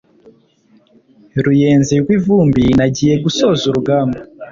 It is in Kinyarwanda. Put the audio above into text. Ruyenzi rwivumbi nagiye gusoza urugamba